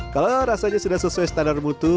kalau rasanya sudah sesuai standar mutu